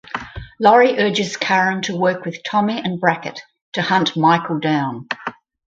Laurie urges Karen to work with Tommy and Brackett to hunt Michael down.